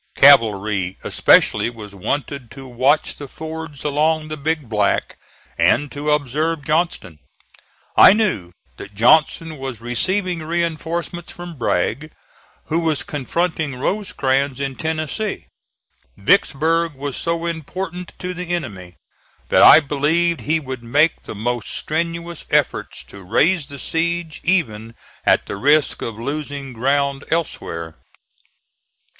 Cavalry especially was wanted to watch the fords along the Big Black, and to observe Johnston. I knew that Johnston was receiving reinforcements from Bragg, who was confronting Rosecrans in Tennessee. Vicksburg was so important to the enemy that I believed he would make the most strenuous efforts to raise the siege, even at the risk of losing ground elsewhere.